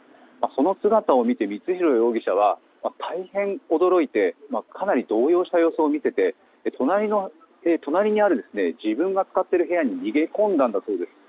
その姿を見て光弘容疑者は大変驚いてかなり動揺した様子を見せて隣にある自分が使っている部屋に逃げ込んだそうです。